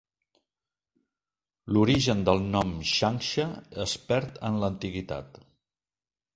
L'origen del nom "Changsha" es perd en l'antiguitat.